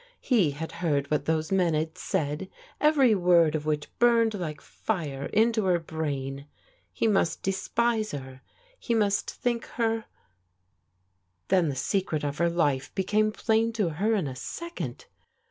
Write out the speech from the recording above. He had heard what those men had said, every word of which burned like fire into her brain. He must despise her. He must think her Then the secret of her life became plain to her in a second!